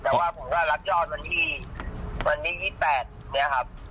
แต่ว่าผมก็รับยอดวันนี้วันนี้๒๘เนี่ยครับ